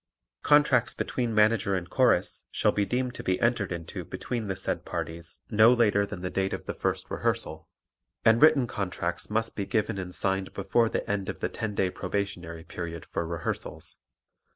Contracts between Manager and Chorus shall be deemed to be entered into between the said parties no later than the date of the first rehearsal, and written contracts must be given and signed before the end of the ten day probationary period for rehearsals.